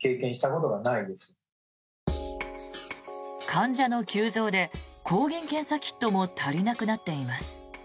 患者の急増で抗原検査キットも足りなくなっています。